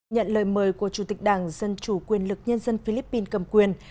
nhận lời mời của chủ tịch đảng dân chủ quyền lực nhân dân philippines cầm quyền